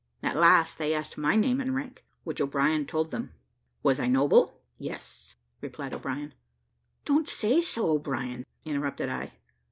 At last they asked my name and rank, which O'Brien told them. "Was I noble?" "Yes," replied O'Brien. "Don't say so, O'Brien," interrupted I.